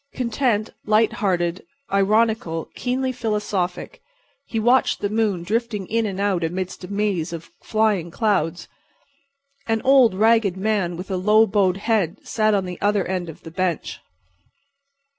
Content, light hearted, ironical, keenly philosophic, he watched the moon drifting in and out amidst a maze of flying clouds. An old, ragged man with a low bowed head sat at the other end of the bench.